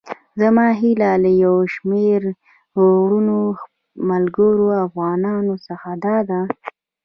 زما هيله له يو شمېر وروڼو، ملګرو او افغانانو څخه داده.